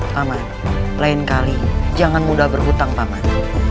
paman lain kali jangan mudah berhutang paman